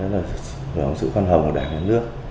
đó là sự phân hồng của đảng và nước